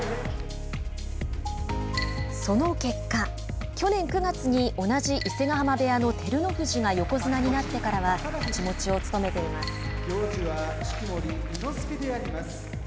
その結果、去年９月に同じ伊勢ヶ濱部屋の照ノ富士が横綱になってからは太刀持ちを務めています。